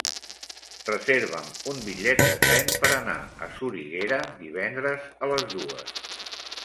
Reserva'm un bitllet de tren per anar a Soriguera divendres a les dues.